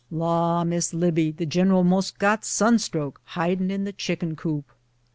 "Law, Miss Libbie, the giniral most got sunstroke hidin' in the chicken coop."